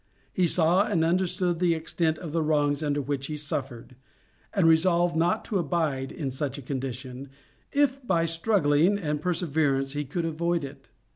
He saw and understood the extent of the wrongs under which he suffered, and resolved not to abide in such a condition, if, by struggling and perseverance, he could avoid it.